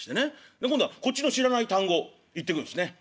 で今度はこっちの知らない単語言ってくんすね。